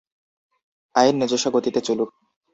আইন নিজস্ব গতিতে চলুক।